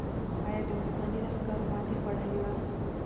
آیا د عثماني لښکرو ماتې خوړلې وه؟